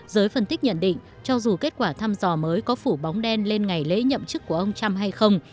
giới phân tích nhận định cho dù kết quả thăm dò mới có phủ bóng đen lên ngày lễ nhậm chức của ông trump hay không